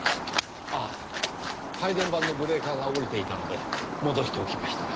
ああ配電盤のブレーカーが下りていたので戻しておきました。